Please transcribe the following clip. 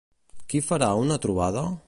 Qui farà una trobada?